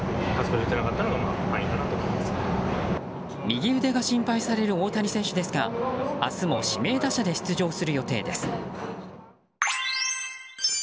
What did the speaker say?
右腕が心配される大谷選手ですが明日も指名打者で出場する予定です。